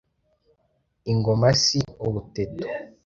ingoma si ubuteto